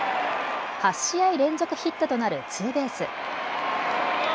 ８試合連続ヒットとなるツーベース。